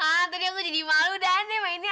ah antoni aku jadi malu dane mainnya